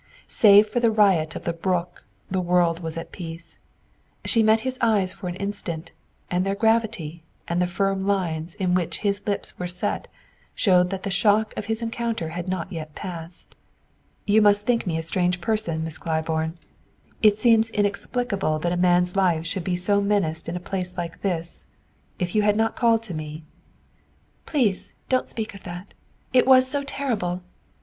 Save for the riot of the brook the world was at peace. She met his eyes for an instant, and their gravity, and the firm lines in which his lips were set, showed that the shock of his encounter had not yet passed. "You must think me a strange person, Miss Claiborne. It seems inexplicable that a man's life should be so menaced in a place like this. If you had not called to me " "Please don't speak of that! It was so terrible!"